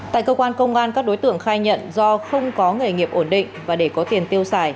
tại cơ quan công an các đối tượng khai nhận do không có nghề nghiệp ổn định và để có tiền tiêu xài